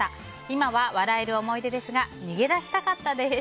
今は笑える思い出ですが逃げ出したかったです。